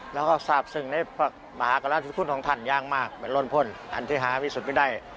แล้วก็สาบซึงในมหากรรณภิกุลของท่านยางมากเป็นล้นพลอันที่หาวิสุทธิ์ไม่ได้